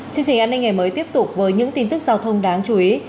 chương trình an ninh ngày mới tiếp tục với những tin tức giao thông đáng chú ý